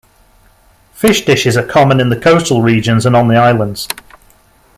Fish dishes are common in coastal regions and on the islands.